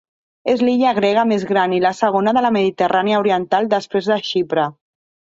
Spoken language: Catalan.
És l'illa grega més gran i la segona de la Mediterrània oriental després de Xipre.